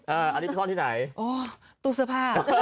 แล้วอันนี้ไปซ่อนที่ไหนตู้สระผ้า